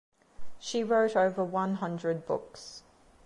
She wrote over one hundred books.